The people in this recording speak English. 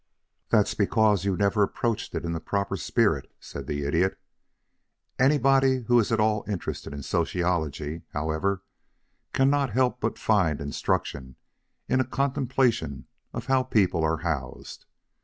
"That's because you never approached it in a proper spirit," said the Idiot. "Anybody who is at all interested in sociology, however, cannot help but find instruction in a contemplation of how people are housed.